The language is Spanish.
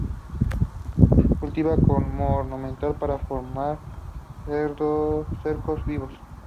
Cultivada como ornamental para formar cercos vivos.